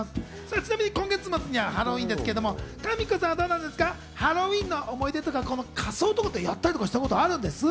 ちなみに今月末にはハロウィーンですが、かみこさんはハロウィーンの思い出とか、仮装とかやったりしたことあるんです？